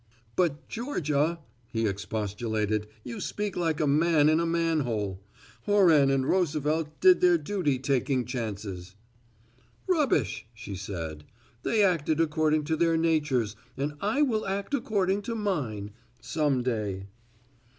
"But, Georgia," he expostulated, "you speak like a man in a manhole. Horan and Roosevelt did their duty taking chances." "Rubbish," she said. "They acted according to their natures and I will act according to mine some day."